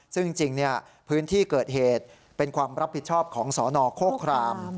ซึ่งจริงพื้นที่เกิดเหตุเป็นความรับผิดชอบของสนโคคราม